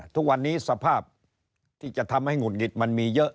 ทุกวันนี้สภาพที่จะทำให้หงุดหงิดมันมีเยอะ